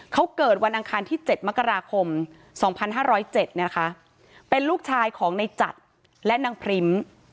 เขาเกิดวันอังคารที่๗มกราคม๒๕๐๗นะคะเป็นลูกชายของในจัดและนางพริม